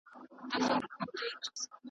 تعبیر مي کړی پر ښه شګون دی .